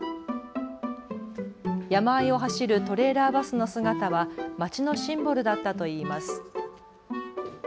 山あいを走るトレーラーバスの姿は町のシンボルだったといいます。